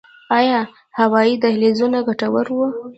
آیا هوایي دهلیزونه ګټور وو؟